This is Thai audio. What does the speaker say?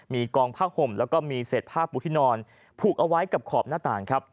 มีกองผ้าห่มแล้วก็มีเศษผ้าปูที่นอนผูกเอาไว้กับขอบหน้าต่างครับ